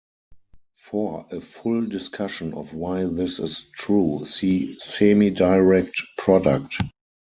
For a full discussion of why this is true, see semidirect product.